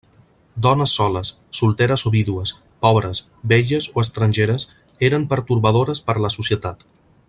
Dones soles, solteres o vídues, pobres, velles o estrangeres eren pertorbadores per a la societat.